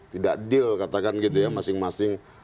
tidak deal katakan gitu ya masing masing